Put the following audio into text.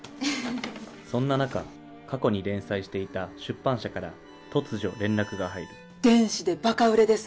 そんななか過去に連載していた出版社から突如連絡が入る電子でバカ売れです。